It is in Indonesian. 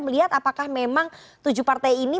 melihat apakah memang tujuh partai ini